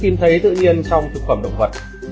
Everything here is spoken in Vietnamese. nó được tìm thấy tự nhiên trong thực phẩm động vật